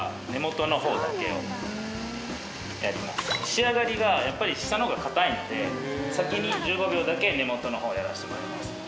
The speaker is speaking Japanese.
仕上がりがやっぱり下の方が硬いので先に１５秒だけ根元の方をやらせてもらいます。